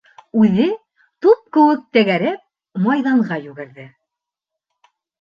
Үҙе, туп кеүек тәгәрәп, майҙанға йүгерҙе.